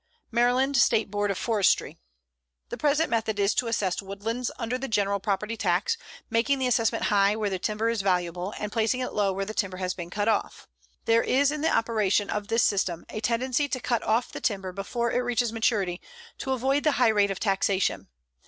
MARYLAND STATE BOARD OF FORESTRY: The present method is to assess woodlands under the general property tax, making the assessment high where the timber is valuable and placing it low where the timber has been cut off. There is in the operation of this system a tendency to cut off the timber before it reaches maturity to avoid the high rate of taxation.